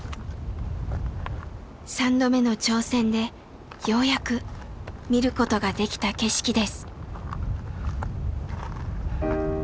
３度目の挑戦でようやく見ることができた景色です。